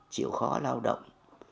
chịu khó lao động